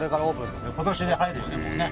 今年に入るよねもうね。